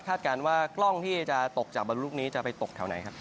การว่ากล้องที่จะตกจากบรรลุนี้จะไปตกแถวไหนครับ